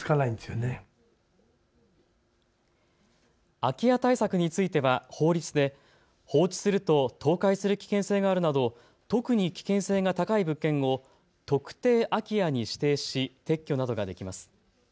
空き家対策については法律で放置すると倒壊する危険性があるなど特に危険性が高い物件を特定空き家に指定し撤去などができます。